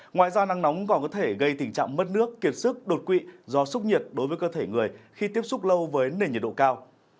ngoài ra nắng nóng còn có thể gây tình trạng mất nước kiệt sức đột quỵ do sốc nhiệt đối với cơ thể người khi tiếp xúc lâu với nền nhiệt độ cao